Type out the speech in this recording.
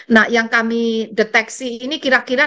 nah yang kami deteksi ini kira kira